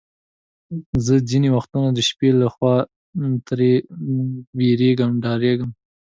زه ځینې وختونه د شپې له خوا ترې بیریږم، ډارېږم.